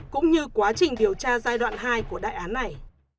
cũng như quá trình điều tra giai đoạn hai của đại án này